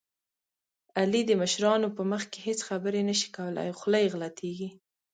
علي د مشرانو په مخ کې هېڅ خبرې نه شي کولی، خوله یې غلطېږي.